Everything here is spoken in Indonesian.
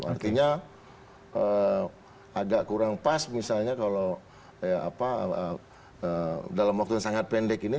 artinya agak kurang pas misalnya kalau dalam waktu yang sangat pendek ini